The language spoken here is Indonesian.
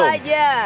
ayamnya dua aja